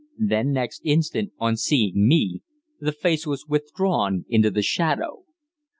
Then, next instant, on seeing me, the face was withdrawn into the shadow.